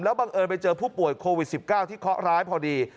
บังเอิญไปเจอผู้ป่วยโควิด๑๙ที่เคาะร้ายพอดี